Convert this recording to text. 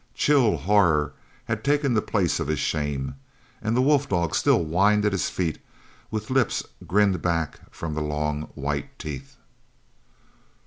Chill horror had taken the place of his shame, and the wolf dog still whined at his feet with lips grinned back from the long white teeth.